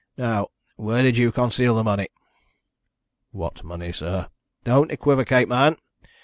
"Now, where did you conceal the money?" "What money, sir?" "Don't equivocate, man!"